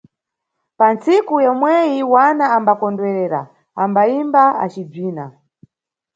Pantsiku imweyi wana ambakondwerera: ambayimba acibzina.